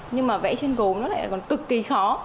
nhưng mà vẽ trên gốm nó lại còn cực kỳ khó